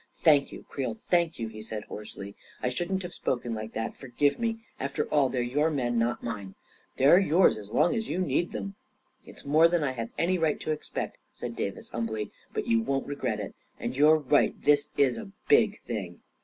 " Thank you, Creel; thank you," he said hoarsely. " I shouldn't have spoken like that — forgive me. After all, they're your men, not mine." " They're yours as long as you need them." 44 It's more than I have any right to expect," said Davis, humbly. " But you won't regret it. And you're right — this is a big thing."